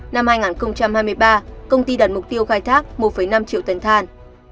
năm hai nghìn hai mươi ba công ty đặt mục tiêu khai thác một năm triệu tấn than